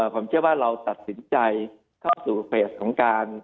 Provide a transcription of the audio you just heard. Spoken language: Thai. ผมเชื่อว่าเราตัดสินใจเข้าสู่เฟสของการ